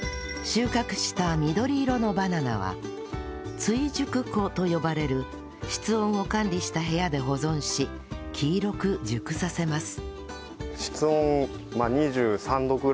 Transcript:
収穫した緑色のバナナは追熟庫と呼ばれる室温を管理した部屋で保存し黄色く熟させます